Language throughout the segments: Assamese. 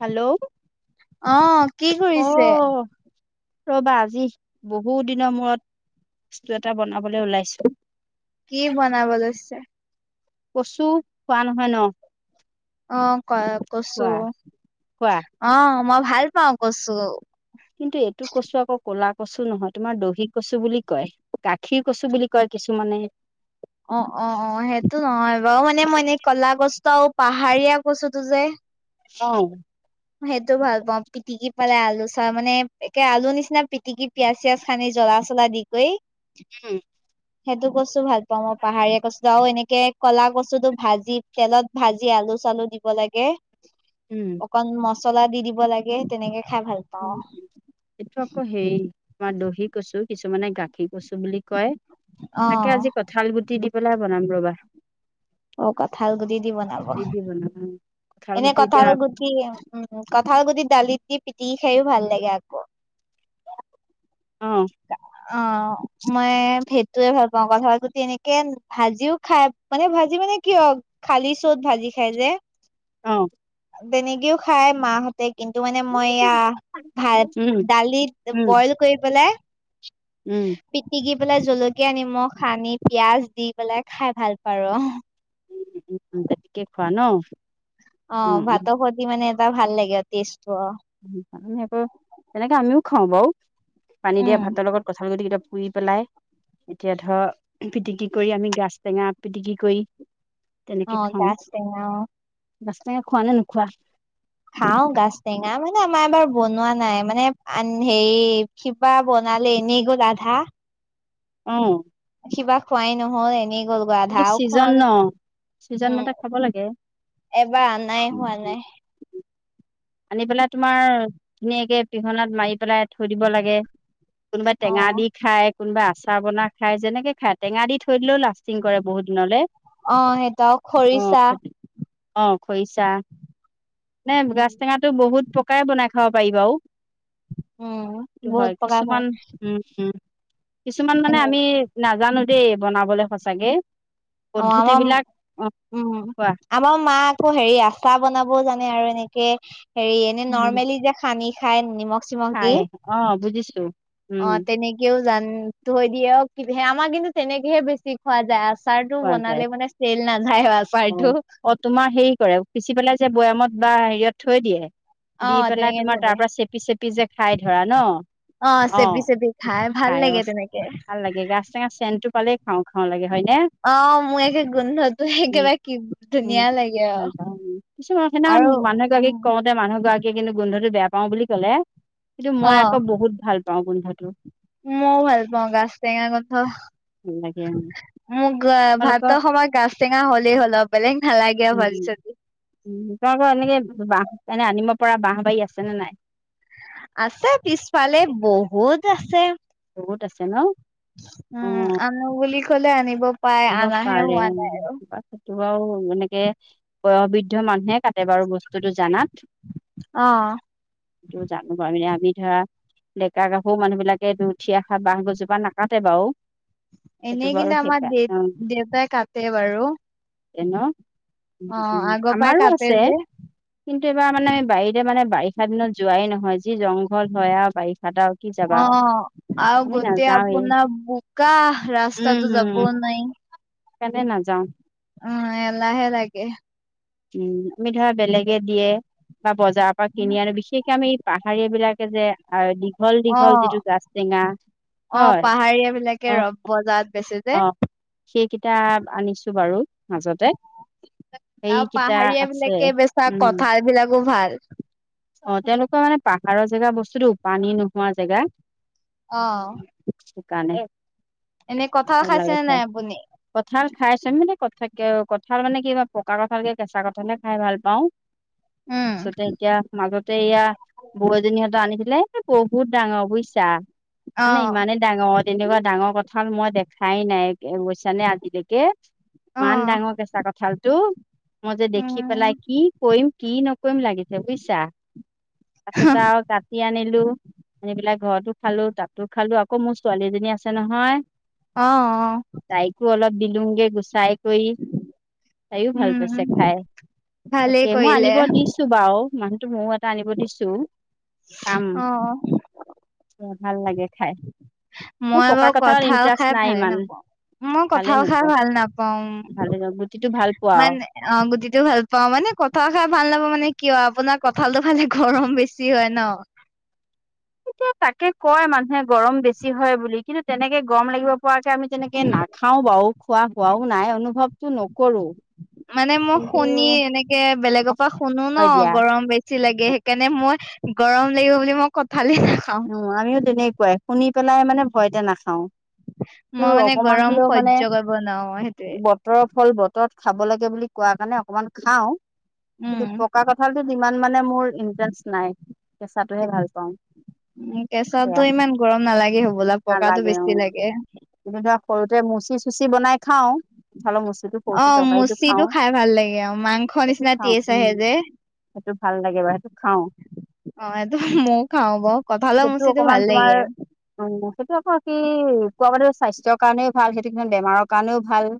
হেল্ল'। অ' কি অ কৰিছে? ৰ'বা আজি বহুত দিনৰ মূৰত, বস্তু এটা বনাবলৈ ওলাইছো। কি বনাব লৈছে? কচু খোৱা নহয় ন। অ' কচু, খোৱা খোৱা অ' মই ভাল পাওঁ কচু। কিন্তু এইটো কচু আকৌ কলা কচু নহয় তোমাৰ দহি কচু বুলি কয়। গাখীৰ কচু বুলি কয় কিছুমানে। অ', অ', অ' সেইটো নহয় বাৰু মানে মই এনেই ক'লা গছতো আৰু পাহাৰীয়া কচুতো যে। অ'। সেইটো ভাল পাওঁ পিটিকি পালে আলু চা মানে একে আলু নিচিনা পিটিকি- পিয়াজ চিয়াজ সানি জ্বলা চলা দি কৈ। উম। সেইটো কচু ভাল পাওঁ মই। পাহাৰীয়া কচু আৰু এনেকে ক'লা কচুটো ভাজি তেলত ভাজি আলু চালু দিব লাগে। উম। অকন মছলা দি দিব লাগে তেনেকে খাই ভাল লাগে। এইটো আকৌ হেৰি আমাৰ দহি কচু কিছুমানে গাখীৰ কচু বুলি কয়। অ তাকে আজি কঁঠাল গুটি দি পেলাই বনাম ৰবা। অ কঁঠাল গুটি দি বনাব। গুটি দি উম। এনে গুটি এতিয়া কঁঠাল গুটি উম কঁঠাল গুটিত দালিত দি পিটিকি খাওঁ ভাল লাগে আকৌ। অহ। অ মই সেইটোৱে ভাল পাওঁ কঁঠাল গুটি এনেকে ভাজিও খাই- মানে ভাজি মানে কিয় খালি চ'ত ভাজি খাই যে। অ'। তেনেকেও খাই মাহতে- কিন্তু মানে মই এয়া ভাত উম দালিত উম বইল কৰি পেলাই। উম। পিটিকি পেলাই, জলকীয়া নিমখ সানি পিয়াজ দি পেলাই খাই ভাল পাৰোঁ তেনেকে খোৱা ন? অ', উম, উম, ভাতৰ খতি মানে এটা ভাল লাগে টেষ্টটো, অ' আমি আকৌ তেনেকে আমিও খাওঁ বাৰু, পানী উম দিয়া ভাতৰ লগত কঠাঁল গুটি কেইটা পুই পেলাই, এতিয়া ধৰ পিটিকি কৰি আমি গাছ টেঙা, পিটিকি কৰি অ তেনেকে খাওঁ, গাজ টেঙা অ গাজ টেঙা খোৱা নে নোখোৱা? খাওঁ গাছ টেঙা, মানে আমাৰ এবাৰ বনোৱা নাই মানে, আ হেৰি কিবা বনালে, এনেই গ'ল আধা অ'। সিবা খোৱাই ন'হল এনেই গ'ল। সেইটো ধাও খোৱা ছিজন ন, ছিজন উম, মতে খাব লাগে এবাৰ আনাই উম, হোৱা নাই। আনি পেলাই তোমাৰ ধুনীয়াকে পিহনাত মাৰি পেলাই থৈ দিব লাগে। কোনোবা অ টেঙা দি খাই কোনোবা আচাৰ বনাই খাই, যেনেকে খায় টেঙা দি থৈ দিলেও লাষ্টিং কৰে বহুত দিনলৈ। অ সেইটো অ', খৰিচা অ', খৰিচা নে উম গাছ তো বহুত পকাই বনাই খাব পাৰি বাৰু উম সটো বহুত হয়, প্ৰকাৰ কিছুমান, উম, উম, কিছুমান মানে আমি নাজানোঁ দেই বনাবলৈ, সঁচাকে অ', পদ্ধতি আমাৰ বিলাক অ উম, কোৱা আমাৰ মা আকৌ হেৰি, আচাৰ বনাবও জানে আৰু এনেকে হেৰি এনে নৰ্মেলি যে সানি খায়, নিমখ চিমখ দি চাই, অ', বুজিছোঁ। অ', তেনেকেও জানৈ দিয়ে, আমাৰ কিন্তু তেনেকেহে বেছি খোৱা যায়, আচাৰটো খোৱা যায় বনালে মানে চেল নাযায়, অ আচাৰটো অ তোমাৰ হেৰি কৰে, পিচি পেলাই যে বৈয়ামত বা হেৰিয়ত থৈ দিয়ে দি অ', পেলাই, তেনেকে থৈ তোমাৰ তাৰ দিয়ে। পৰা চেপি চেপি যে খাই ধৰা ন। অ', চেবি চেবি খাই, ভাল লাগে তেনেকে। ভাল লাগে, গাছ টেঙা চেনটো পালেই খাওঁ খাওঁ লাগে, হয় নে? অ', মই একে গোন্ধ ত সেইেবাৰে, কি উম ধুনীয়া লাগে ভাল আৰু, পাওঁ উম কিছুমান সেইদিনাখন আৰু মানুহ এগৰাকীক উম কওঁতে মানুহ গৰাকীয়ে কিন্তু গোন্ধটো বেয়া পাওঁ বুলি ক'লে, কিন্তু মই অ', আকৌ বহুত ভাল পাওঁ গোন্ধটো। মইও ভাল পাওঁ, গাজ টেঙা গোন্ধ। ভাল লাগে উম, মোক গ, ভাত তোমালোকৰ সময় গাছ টেঙা হলেই হ'ল, বেলেগ ভাল লাগে ভাজি উম চাজি। উম, তোমালোকৰ এনেকে বাঁহ, এনে আনিব পৰা বাহ বাৰী আছে নে নাই? আছে পিছফালে, বহুত আছে। বহুত আছে ন? অ উম আনো বুলি ক'লে আনিব পাই, আনিব অনাহে পাৰে হোৱা উম, নাই আৰু। বা সেইটো আৰু, এনেকে বয়বৃদ্ধ মানুহে কাটে বাৰু বস্তুতটো জানাত অ'। জানো বাৰু, আমি ধৰা ডেকা গাভৰু মানুহ বিলাকে দু উঠি অহা বাহঁ গছজোপা নাকাটে বাৰু সেইটো এনেই বাৰু কিন্তু আমাৰ দ, দেউতাই কাটে বাৰু টেনৰ, উম, অ উম, আগৰ পৰাই আমাৰো কাটে আছে যে কিন্তু এইবাৰ মানে বাৰীতে মানে বাৰিষা দিনত যোৱাই নহয, যি জংঘল হয় আৰু, বাৰিষা আৰু কি যাবা আৰু অ', আৰু আমি গোতেেই নাযাওৱেই। আপোনোনাৰ বোকা, ৰাস্তাটো যাব নাই কেনে নাযাওঁ। উ, এলাহে লাগে। উম, আমি ধৰা বেলেগে দিয়ে বা বজাৰৰ পৰা কিনি আনে, বিশেষকে আমি পাহাৰীবিলাকে যে আ, দীঘল অ দীঘল যিটো গাছ টেঙা অ' হয় অ পাহাৰীয়াবিলাকে ৰব বজাৰত বেচে যে। অ' সেইকেইটা আনিছোঁ বাৰু মাজতে। সেইকেইটা আছে পাহাৰীয়াবিলাকে বেচা উম কঁঠালবিলাকো ভাল। অ' তেওঁলোকৰ মানে পাহাৰৰ জেগা বস্তুটো পানী নোহোৱা জেগা অ'। সেই কাৰণে। এনে কঠাল খাইছে নে নাই আপুনি? কঁঠাল খাইচোন মানে কঁঠাকে কঁঠাল মানে কি পকা কঁঠালকে কেঁচা কঁঠালহে খাই ভাল পাওঁ। উম পিছতে এতিয়া মাজতে এয়া বৌ এজনীহঁতে আনিছিলে বহুত ডাঙৰ বুইছা অ মানে ইমানে ডাঙৰ তেনেকুৱা ডাঙৰ কঁঠাল মই দেখাই নাই বুজিছানে আজিলৈকে। অ ইমান ডাঙৰ কেঁচা কঁঠালটো। মই যে দেখি পেলাই উম কি কৰিম কি নকৰিম লাগিছে বুজিছা। পাছত আৰু কাট টি আনিলোঁ আনি পেলাই ঘৰতো খালোঁ, তাতো খালোঁ আকৌ মোৰ ছোৱালীজনী আছে নহয় অ', অ'। তাইকো অলপ দিলোংগে গুচাই কৰি, তাইও ভাল উম ছে খাই। ভালেই তাকে মই কৰিলে আনিব দিছোঁ বাৰু মানুহটো ময়ো এটা আনিব দিছোঁ। খাম, অ ভাল লাগে খাই। মোৰ মই পকা বাৰু কথাত কঠাল ইণ্টাৰেষ্ট খাই নাই ভালে ইমান নাপাওঁ। মই ভালে কঁঠাল খাই নোপোৱা ভাল নাপাওঁ। ভালে গুটিটো ভাল পোৱা আৰু মানে অ' গুটিটো ভাল পাওঁ মানে কঁঠাল খাই ভাল নাপাওঁ মানে কিয় আপোনাৰ কঁঠালটো খালে গৰম বেছি হয় ন'। এতিয়া তাকে কয় মানুহে গৰম বেছি হয় বুলি কিন্তু তেনেকে গৰম লাগিব কুৱাকে আমি তেনেকে নাখাওঁ বাৰু, খোৱা হোৱাও নাই, অনুভৱটো নকৰোঁ। মানে মই শুনি এনেকে বেলেগৰ পৰা শুনো হয় ন' দিয়া গৰম বেছ বেছি লাগে সেইকাৰণে মই গৰম লাগিব বুলি মই কঠালি নাখাওঁ। উম, আমিও তেনেকুৱাই, শুনি পেলাই মানে ভয়তে নাখাওঁ। মই মানে গৰম সহ্য কৰিব নোৱাৰোঁ সেইটোয়ে। বতৰৰ ফল বতৰত খাব লাগে বুলি কোৱা কাৰণে অকমান খাওঁ কিন্তু উম পকা কঠ কঠালটোত ইমান মানে মোৰ ইণ্টাৰেষ্ট নাই, কেঁচাটোহে ভাল পাওঁ। উম, সেয়া কেঁচাটো ইমান গৰম নালাগে হ'বলা, পকাটো বেছি লাগে। এনেকা সৰুতে মুচি চুচি বনাই খাওঁ। চালৰ মুচিটো অ ফুৰতে তৰকাৰীটো মুচিটো খাওঁ, খাই ভাল লাগে আৰু মাংস সেইটো নিচিনা খাওঁ টেষ্ট আহে উম। যে সেইটো ভাল লাগে বা সেইটো খাওঁ। অ' এইটো ময়ো খাওঁ বাও, কঁঠালৰ মুচিটো ভাল লাগে। উ, সেইটো আকৌ কি কোৱা বাতো স্বাস্থ্যৰ কাৰণেও ভাল, সেইটো কিমান বেমাৰৰ কাৰণেও ভাল।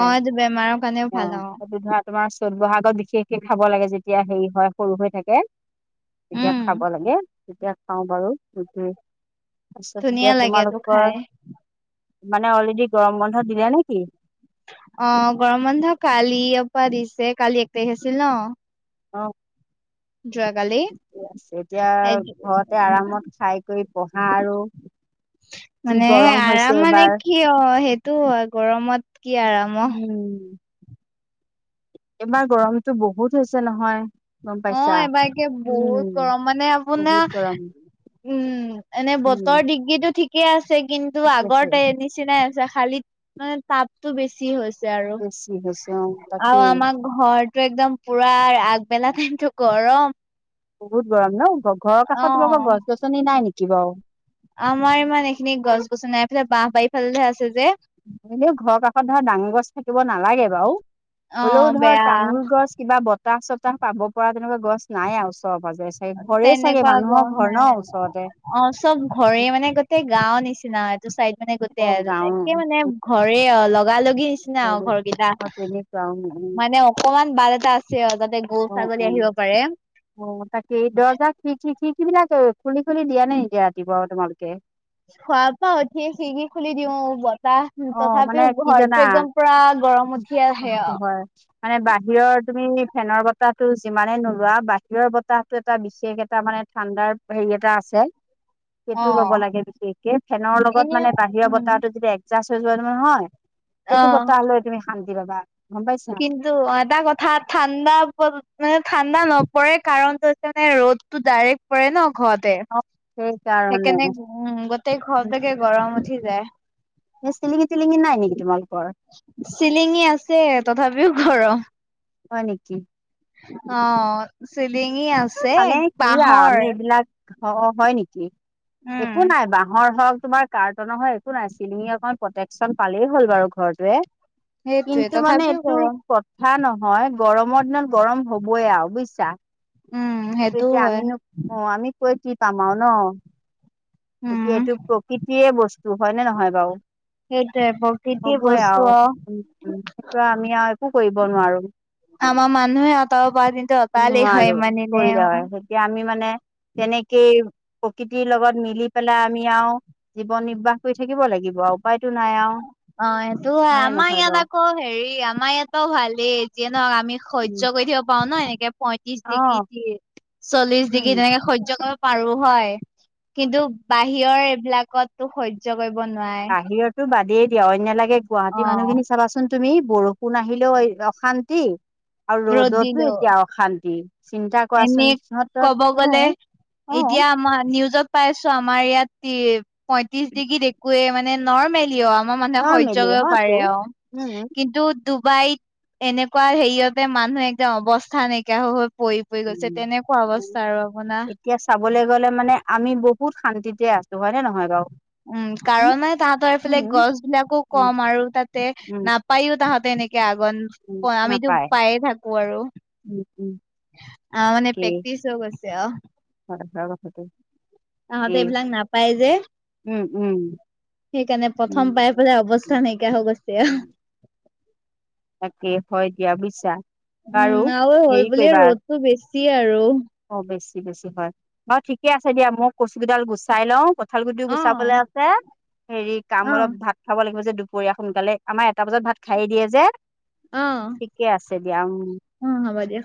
অ এইটো বেমাৰৰ কাৰণেও অ' ভাল সেইটো ধৰা তোমাৰ চ'ত বহা'গত বিশেষকে খাব লাগে যেতিয়া হেৰি হয় সৰু হৈ থাকে। তেতিয়া উম খাব লাগে, তেতিয়া খাওঁ বাৰু। পাছত ধুনীয়া এতিয়া লাগে এইটো তোমালোকৰ, খাই মানে অলৰেডি গৰম বন্ধ দিলে নেকি? অ' গৰম বন্ধ কালি পৰা দিছে, কালি এক তাৰিখ আছিল ন'। অ যোৱাকালি ঠিকে আছে, এতিয়া আও ঘৰতে উম আৰামত খাই কৰি পঢ়া আৰু যি মানে গৰম হৈছে আৰাম মানে এইবাৰ। কি হয়, সেইটোও হয়, গৰমত কি আৰাম আও উম, এইবাৰ গৰমটো বহুত হৈছে নহয় গম অ', পাইছা? এইবাৰ একে বহুত উম, গৰম, মানে বহুত আপোনাৰ গৰম। উম, এনে উম, বতৰ ডিগ্ৰীটো ঠিক কে আছে, কিন্তু ঠিক আগৰ আছে তে নিচিনাই আছে, খালী মানে তাপতো বেছি হৈছ ছে আৰু, বেছি হৈছে অ, আৰু তাকেই। আমাক ঘৰটো একদম পুৰা আগবেলা টাইমটো গৰম! বহুত গৰম ন, ঘৰৰ অ কাষত তোমালোকৰ গছ গছনি নাই নেকি বাৰু? আমাৰ ইমান এইখিনিত গছ গছনি নাই, এইফালে বাঁহ বাৰীফালেহে আছে যে এনেও ঘৰৰ কাষত ধৰা ডাঙৰ গছ থাকিব নালাগে বাৰু অ হ'লেও ধৰা বেয়া তামোল গছ, কিবা বতাহ চতাহ পাব পৰা তেনেকুৱা গছ নাই আৰু ওচৰে পাজৰে? হেই ঘৰেই চাগে তেনেকুৱা মানুহৰ গছ ঘৰ নাই ন ওচৰতে? অ, চব ঘৰে মানে, গোটেই গাঁৱৰ নিচিনা এইটো চাইদ মানে অ, গোটেই আৰু, গাঁৱৰ একে মানে ঘৰেই আৰু, লগা লগি নিছিনা আৰু ঘৰবোৰ। ঘৰ কিটা, অ, তেনেকুৱা উম, উম, মানে অক অকমান বাট এটা আছে আৰু যাতে গৰু ছাগলী আহিব পাৰে। উ, তাকে, দৰ্জা খিৰিকী খিৰিকীবিলাক খুলি খুলি দিয়া নে নিদিয়া ৰাতিপুৱা তোমালোকে? শোৱাৰ পৰা উঠিয়ে খিৰিকী খুলি দিওঁ [unintelligible] তাহ, অ মানে তথাপিও কি জানা ঘৰতো একদম পুৰা গৰম উঠি আহে সেইটো আৰু হয় মানে বাহিৰৰ, তুমি ফেনৰ বতাহটো যিমানে নোলোৱা, বাহিৰৰ বতাহটো এটা বিশেষ এটা মানে ঠাণ্ডাৰ হেৰি এটা আছে সেইটো অ ল'ব লাগে বিশেষকে, ফেনৰ লগত এনে মানে বাহিৰা উম বতাহটো যদি এক [unintelligible] হৈ যায় নহয়, সেইটো অ', বতাহ লৈ তুমি শান্তি পাবা। গম পাইছা? কিন্তু এটা কথা ঠাণ্ডা মানে ঠাণ্ডা নপৰে কাৰণটো হৈছে মানে ৰ'দ টো ডাইৰেক্ট পৰে ন ঘৰতে! অ সেইকাৰণে সেইকাৰনে উম, গোটেই ঘৰটো একে গৰম উঠি যায়। এই চিলিঙি তিলিঙি নাই নেকি তোমালোকৰ? চিলিঙি আছে, তথাপিও গৰম। হয় নেকি? অ', চিলিঙি আছে, মানে কি আৰু বাঁহৰ। আমি এইবিলাক অ' হয় নেকি? উম, একো নাই, বাঁহৰ হওক তোমাৰ কাৰ্টুনৰ হওক একো নাই, চিলিঙ এখন প্ৰটেকচন পালেই হ'ল বাৰু ঘৰটোৱে। সেইটোৱে কিন্তু মানে তথাপিও এইটো গৰম। কথা নহয় গৰমৰ দিনত গৰম হ'বয়ে আৰু বুইছা? উম, সেইটো সেইটোও এতিয়া হয় আমিনো কি কওঁ, আমি কৈ কি পাম আৰু ন? উম, এতিয়া এইটো প্ৰকৃতিৰে বস্তু, হয়নে নহয় বাৰু? সেইটোৱে প্ৰকৃতি হ'বই বস্তু আৰু অ'। সেইটো আমি আৰু একো কৰিব নোৱাৰোঁ। আমাৰ মানুহে অঁতৰাব পৰা হতিনতো অতৰালেই হয় ইমান দিনে, অ'। তাছত এতিয়া আমি মানে তেনেকেই প্ৰকৃতিৰ লগত মিলি পেলাই আমি আৰু জীৱন নিৰ্বাহ কৰি থাকিব লাগিব আৰু উপায়তো নাই আৰু। অ, সেইটো হয়। নে আমাৰ নহয় ইয়াত বাৰু আকৌ হেৰি আমাৰ ইয়াতো ভালেই, যিয়ে নহওক আমি স উম জ কৰি থাকিব পাৰো ন, এনেকে পঁয়ত্ৰিছ অ', ডিগ্ৰী, চল্লিশ উম, ডিগ্ৰী তেনেকে সহ্য পাৰো হয়, কিন্তু বাহিৰৰ এইবিলাকততো সহ্য কৰিব নোৱাৰে। তো বাদিয়েই দিয় অন্য লাগে গুৱাহাটী অ মানুহখিনিক চাবাচোন তুমি বৰষুণ আহিলেও অশান্তি আৰু ৰ'দ ৰ'দতো এতিয়া অশান্তি চিন্তা এনে কৰাচোন সিহঁতত ক'ব গলে অ', অ', এতিয়া আমা নিউজত পাইছো আমাৰ ইয়াত কি পইয়ত্ৰিশ ডিগ্ৰীত একোৱে মানে নৰ্মেলি অআ আমা মানুহে সহ্য নৰ্মেলি কৰিব হয়তো পাৰে আ উম, কিন্তুত ডুবাইত এনেকুৱা হেৰিয়তে মানুহে একদম অৱস্থা নাইকিয়া হৈহৈ পৰি গৈছে উম। তেনেকুৱা উম অৱস্থা আৰু আপোনা এতিয়া চাবলে গ'লে মানে আমি বহুত শান্তিতে আছো হয়নে নহয় বাৰু উম কাৰণে তাহাঁতৰ এইফালে উম। গছ বিলাকো উম, কম আৰু তাতে উম, না পায়ো তাহাঁতে এনেকে আগণ উম, আমিতো নাপায় পায়ে থাকো আৰু উম, উম, আমাৰ মানে একেই প্ৰেকটিছ হৈ গৈছে অ হয় হয় কথাটো তহঁতে একেই এইবিলাক নাপায় যে উম, উম, সেইকাৰণে উম। প্ৰথম পাই পেলাই অৱস্থা নাইকিয়া হৈ গৈছে উম আৰু তাকে হয় দিয়া বুইছা উম, বাৰু আৰু হ'ল হেৰি বুলিয়ে কৰিবা ৰ'দটো বেছি আৰু। অ বেছি বেছি হয় বাৰু ঠিকে আছে দিয়া মই কচু গিডাল গুচাই লও কঁঠাল গুটিও অ', গুচাবলে আছে হেৰি কাম অলপ অ', ভাত খাব লাগিব যে দুপৰীয়া সোনকালে আমাৰ এটা বজাত ভাত খাই দিয়ে যে অ ঠিকে আছে দিয়া উম উম হ'ব দিয়